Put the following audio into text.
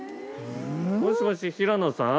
もしもし平野さん？